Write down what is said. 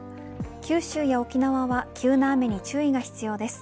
九州や沖縄は急な雨に注意が必要です。